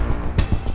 saya mau ke rumah